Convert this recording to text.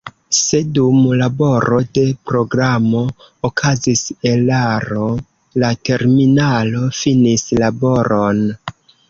Se dum laboro de programo okazis eraro, la terminalo finis laboron.